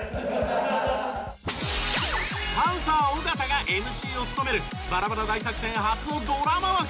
パンサー尾形がＭＣを務めるバラバラ大作戦初のドラマ枠。